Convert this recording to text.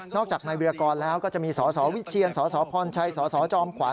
นอกจากนายกรแล้วก็จะมีสศวิเชียรสศพรชัยสศจอมขวัญ